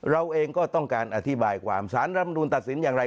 เราเองก็ต้องการอธิบายความสารรำนูนตัดสินอย่างไร